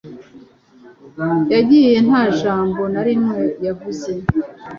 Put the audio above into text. Yagiye nta jambo na rimwe yavuze.